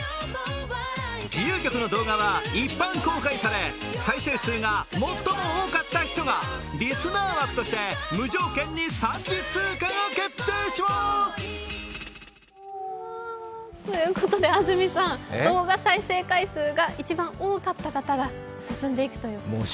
自由曲の動画は一般公開され、再生数が最も多かった人がリスナー枠として無条件に３次通過が決定します！ということで動画再生回数が一番多かった方が進んでいくという。